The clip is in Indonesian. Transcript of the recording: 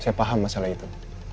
saya paham masalah itu